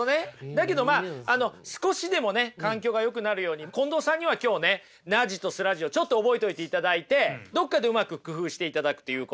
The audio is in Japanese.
だけどまあ少しでもね環境がよくなるように近藤さんには今日ねナッジとスラッジをちょっと覚えておいていただいてどっかでうまく工夫していただくということ。